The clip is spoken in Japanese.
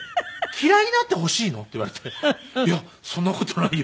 「嫌いになってほしいの？」って言われて「いやそんな事ないよ」って。